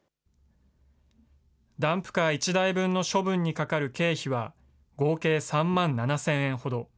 ダンプカー１台分の処分にかかる経費は合計３万７０００円ほど。